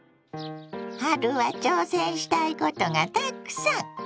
春は挑戦したいことがたくさん！